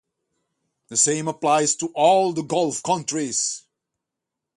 The same applies to all the Gulf countries.